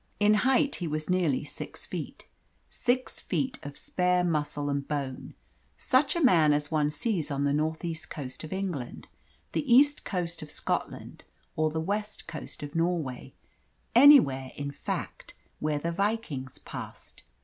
In height, he was nearly six feet six feet of spare muscle and bone such a man as one sees on the north east coast of England, the east coast of Scotland, or the west coast of Norway anywhere, in fact, where the Vikings passed.